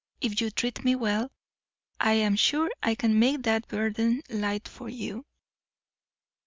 If you treat me well, I am sure I can make that burden light for you."